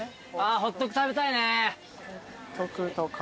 ホットク食べたいね。